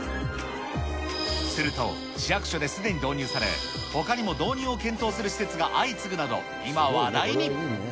すると、市役所ですでに導入され、ほかにも導入を検討する施設が相次ぐなど、今、話題に。